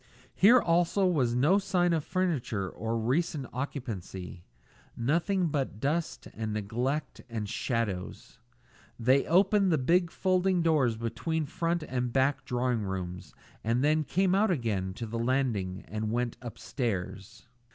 Here also was no sign of furniture or recent occupancy; nothing but dust and neglect and shadows. They opened the big folding doors between front and back drawing rooms and then came out again to the landing and went on upstairs.